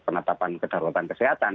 penetapan kedaruratan kesehatan